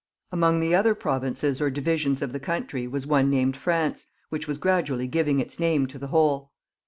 Among the other provinces or divisions of the country was one named France, which was gradually giving its name to the whole.